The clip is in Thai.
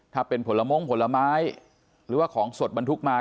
ถ้าเป็นผลมงผลไม้หรือว่าของสดบรรทุกมา